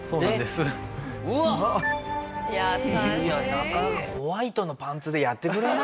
なかなかホワイトのパンツでやってくれないですよ。